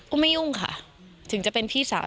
ไม่ยุ่งค่ะถึงจะเป็นพี่สาว